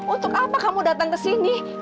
untuk apa kamu datang kesini